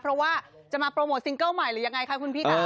เพราะว่าจะมาโปรโมทซิงเกิ้ลใหม่หรือยังไงคะคุณพี่ค่ะ